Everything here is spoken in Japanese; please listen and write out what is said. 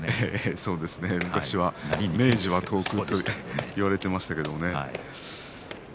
そうですね昔は明治は遠くと言われましたけどもね。